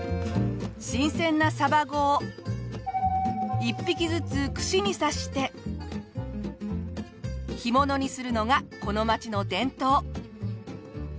新鮮なサバゴを１匹ずつ串に刺して干物にするのがこの町の伝統。